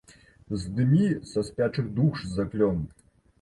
Здымі са спячых душ заклён!